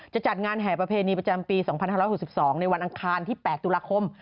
จัดงานแห่ประเพณีประจำปี๒๕๖๒ในวันอังคารที่๘ตุลาคม